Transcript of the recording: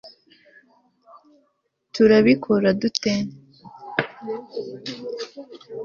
turabikora dute